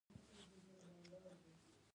په هغه وخت کې سپین ږیری وو.